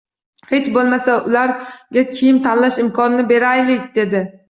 Hech bo`lmasa, ularga kiyim tanlash imkonini beraylik dedi